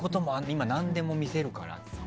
今、何でも見せるから。